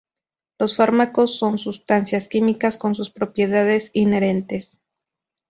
Los fármacos son sustancias químicas con sus propiedades inherentes.